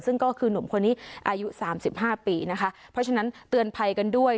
ซึ่งก็คือหนุ่มคนนี้อายุสามสิบห้าปีนะคะเพราะฉะนั้นเตือนภัยกันด้วย